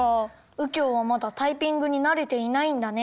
うきょうはまだタイピングになれていないんだね。